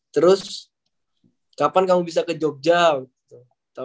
terus kapan kamu bisa ke jogja gitu